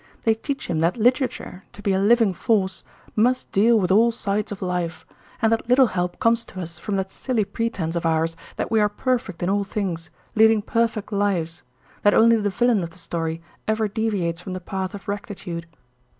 They teach him that literature, to be a living force, must deal with all sides of life, and that little help comes to us from that silly pretence of ours that we are perfect in all things, leading perfect lives, that only the villain of the story ever deviates from the path of rectitude.